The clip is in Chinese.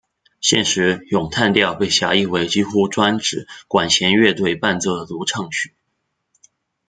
现时咏叹调被狭义为几乎专指管弦乐队伴奏的独唱曲。